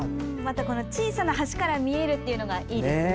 小さな橋から見えるのがいいですね。